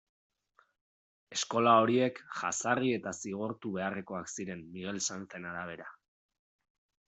Eskola horiek jazarri eta zigortu beharrekoak ziren Miguel Sanzen arabera.